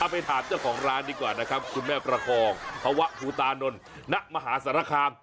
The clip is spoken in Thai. ไปถามเจ้าของร้านดีกว่านะครับคุณแม่ประคองธวะภูตานนท์ณมหาสารคาม